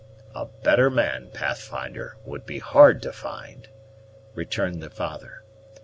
"A better man, Pathfinder, would be hard to find," returned the father.